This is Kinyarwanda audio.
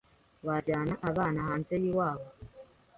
Wajyana abana hanze yiwabo?